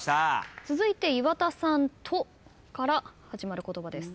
続いて岩田さん「と」から始まる言葉です。